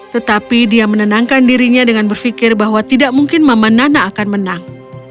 tetapi dia menenangkan dirinya dengan berpikir bahwa tidak mungkin mama nana akan menang